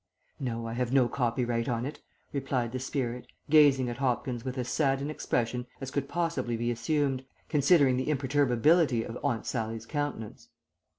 "No, I have no copyright on it," replied the spirit, gazing at Hopkins with as sad an expression as could possibly be assumed, considering the imperturbability of Aunt Sallie's countenance.